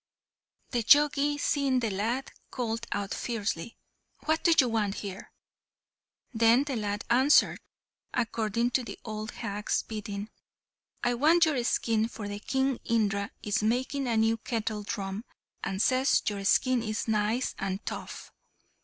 The Jogi, seeing the lad, called out fiercely, "What do you want here?" Then the lad answered, according to the old hag's bidding, "I want your skin, for King Indra is making a new kettle drum, and says your skin is nice and tough."